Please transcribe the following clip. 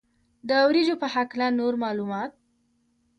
د وریجو په هکله نور معلومات.